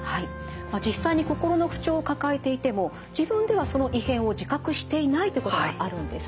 実際に心の不調を抱えていても自分ではその異変を自覚していないってことがあるんですね。